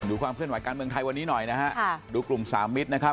ดูความเพื่อนหวัดกันเมืองไทยวันนี้หน่อยนะฮะดูกลุ่มสามวิทย์นะครับ